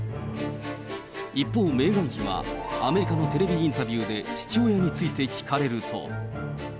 一方、メーガン妃は、アメリカのテレビインタビューで、父親について聞かれると。